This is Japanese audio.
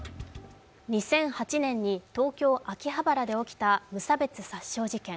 ２００８年に東京・秋葉原で起きた無差別殺傷事件。